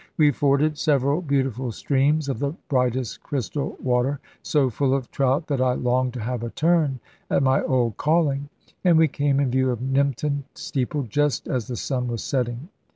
We forded several beautiful streams of the brightest crystal water, so full of trout that I longed to have a turn at my old calling; and we came in view of Nympton steeple just as the sun was setting.